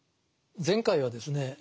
前回はですね